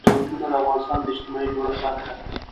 چنګلونه د افغانستان د اجتماعي جوړښت برخه ده.